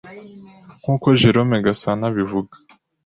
nk’uko Jerome Gasana abivuga